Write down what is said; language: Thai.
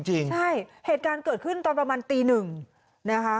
ใช่เหตุการณ์เกิดขึ้นตอนประมาณตี๑นะคะ